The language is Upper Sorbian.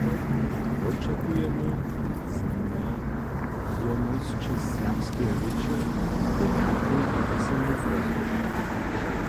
Wočakujemy znajomosće serbskeje rěče w ertnej a pisomnej formje.